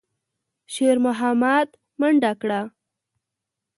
شېرمحمد منډه کړه.